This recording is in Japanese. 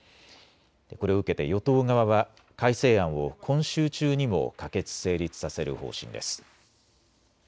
これを受けて与党側は改正案を今週中にも可決・成立させる方針です。